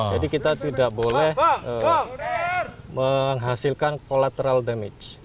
jadi kita tidak boleh menghasilkan collateral damage